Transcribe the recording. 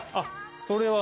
それは。